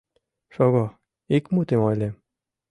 Шого, ик мутым ойлем.